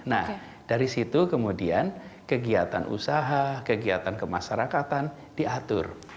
nah dari situ kemudian kegiatan usaha kegiatan kemasyarakatan diatur